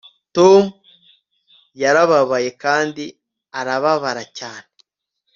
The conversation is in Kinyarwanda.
tom yarababaye kandi arababara cyane